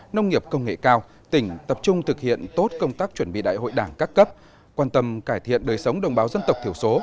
nông nghiệp công nghệ cao tỉnh tập trung thực hiện tốt công tác chuẩn bị đại hội đảng các cấp quan tâm cải thiện đời sống đồng báo dân tộc thiểu số